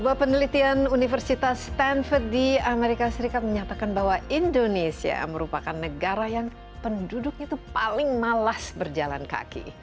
sebuah penelitian universitas stanfood di amerika serikat menyatakan bahwa indonesia merupakan negara yang penduduknya itu paling malas berjalan kaki